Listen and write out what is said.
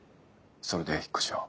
それで引っ越しを。